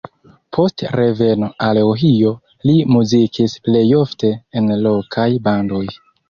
Post reveno al Ohio li muzikis plejofte en lokaj bandoj.